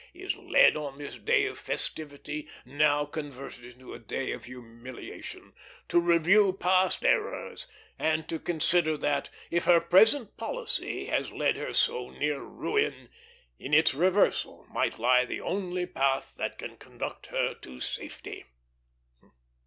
is led on this day of festivity, now converted into a day of humiliation, to review past errors, and to consider that, if her present policy has led her so near ruin, in its reversal must lie the only path that can conduct her to safety."